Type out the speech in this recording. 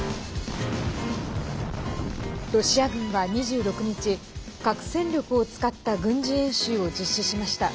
ロシア軍は、２６日核戦力を使った軍事演習を実施しました。